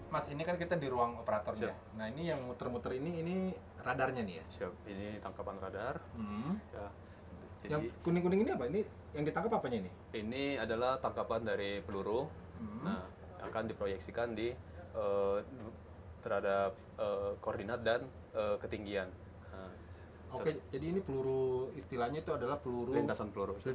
jadi ini peluru istilahnya itu adalah peluru lintasan peluru dari meriam lawan atau roket dari pihak lawan